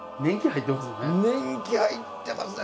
年季入ってますよね。